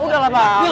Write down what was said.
udah lah bang